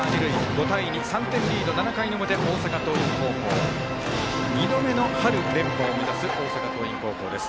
５対２、３点リード、７回の表大阪桐蔭高校２度目の春連覇を目指す大阪桐蔭高校です。